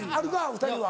２人は。